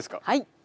はい。